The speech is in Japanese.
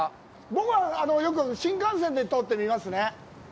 僕はよく新幹線で通って見ますね。